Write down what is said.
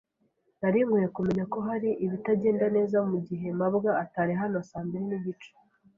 Nari nkwiye kumenya ko hari ibitagenda neza mugihe mabwa atari hano saa mbiri nigice.